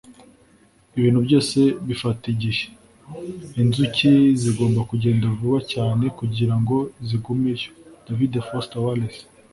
ibintu byose bifata igihe. inzuki zigomba kugenda vuba cyane kugira ngo zigumeyo. - david foster wallace